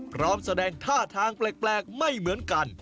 พร้อมแสดงท่าทางแปลกไม่เหมือนกัน